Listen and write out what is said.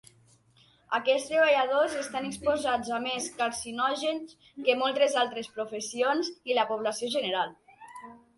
Aquests treballadors estan exposats a més carcinògens que moltes altres professions i la població general.